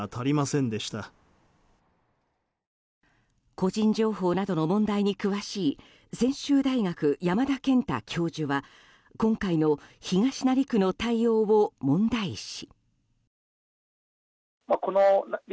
個人情報などの問題に詳しい専修大学、山田健太教授は今回の東成区の対応を問題視。